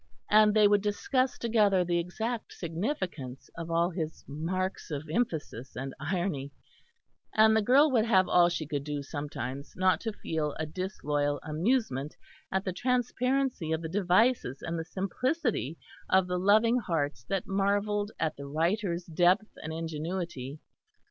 And they would discuss together the exact significance of all his marks of emphasis and irony; and the girl would have all she could do sometimes not to feel a disloyal amusement at the transparency of the devices and the simplicity of the loving hearts that marvelled at the writer's depth and ingenuity.